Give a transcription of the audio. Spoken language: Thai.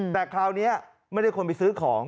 แต่คราวนี้ไม่ได้คนไปซื้อของ